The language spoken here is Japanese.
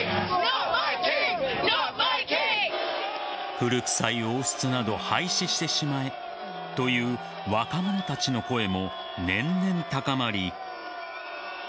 古くさい王室など廃止してしまえという若者たちの声も年々高まり